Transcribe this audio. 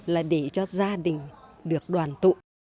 là để cho gia đình được đoàn tụ